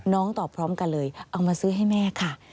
ตอบพร้อมกันเลยเอามาซื้อให้แม่ค่ะ